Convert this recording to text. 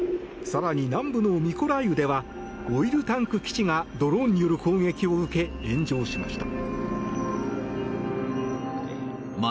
更に、南部のミコライウではオイルタンク基地がドローンによる攻撃を受け炎上しました。